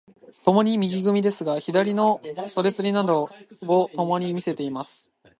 共に右組ですが、左の袖釣などをともに見せています。